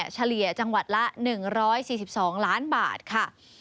เฉลี่ยจังหวัดละ๑๔๒ล้านบาทค่ะ